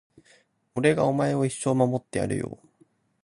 俺がお前を一生守ってやるよ